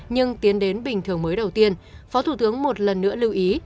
nhưng tiến đến bình thường mới đầu tiên phó thủ tướng một lần nữa lưu ý